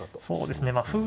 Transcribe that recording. そうですね